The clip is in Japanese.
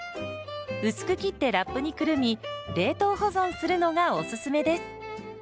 薄く切ってラップにくるみ冷凍保存するのがおすすめです。